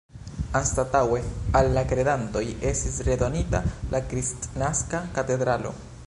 Anstataŭe al la kredantoj estis redonita la Kristnaska katedralo.